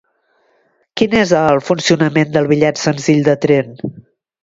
Quin és el funcionament del bitllet senzill de tren?